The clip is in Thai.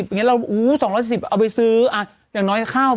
อย่างเงี้ยเราอู้สองร้อยสี่สิบเอาไปซื้ออ่าอย่างน้อยข้าว